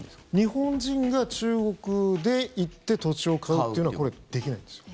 日本人が中国に行って土地を買うっていうのはこれ、できないんですよ。